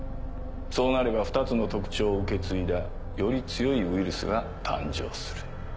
そうなれば２つの特徴を受け継いだより強いウイルスが誕生する。